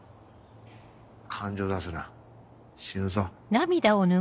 感情出すな死ぬぞ。